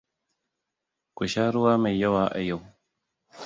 ku sha ruwa mai yawa a yau